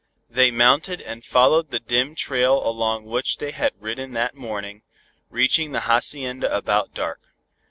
They mounted and followed the dim trail along which they had ridden that morning, reaching the hacienda about dark.